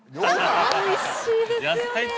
⁉おいしいですよね。